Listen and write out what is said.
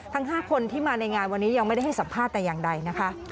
ทั้ง๕คนที่มาในงานวันนี้ยังไม่ได้ให้สัมภาษณ์แต่อย่างใดนะคะ